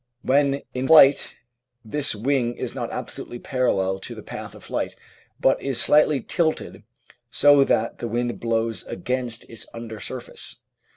When in flight this wing is not absolutely parallel to the path of flight, but is slightly tilted so that the wind blows against its under surface.